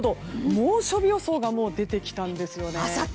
猛暑日予想がもう出てきたんですよね。